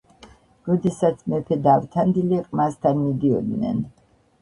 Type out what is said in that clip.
როდესაც მეფე და ავთანდილი ყმასთან მიდიოდნენ